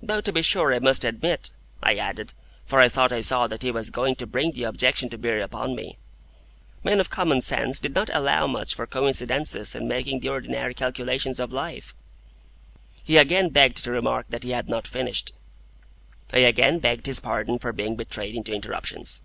Though to be sure I must admit, I added (for I thought I saw that he was going to bring the objection to bear upon me), men of common sense did not allow much for coincidences in making the ordinary calculations of life. He again begged to remark that he had not finished. I again begged his pardon for being betrayed into interruptions.